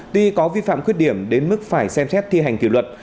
tuy có vi phạm khuyết điểm đến mức phải xem xét thi hành kỷ luật